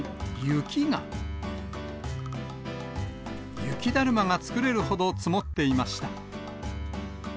雪だるまが作れるほど積もっていました。